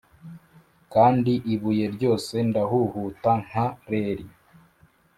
kandi ibuye ryose ndahuhuta nka reel.